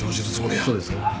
そうですか。